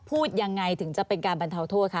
พูดยังไงถึงจะเป็นการบรรเทาโทษคะ